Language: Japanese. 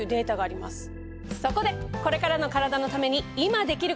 そこでこれからのカラダのために今できること！